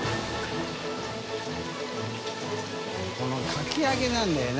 海かき揚げなんだよな。